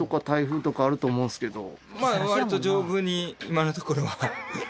まあ割と丈夫に今のところは。